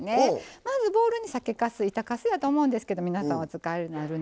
まずボウルに酒かす板かすやと思うんですけど皆さんお使いになるの。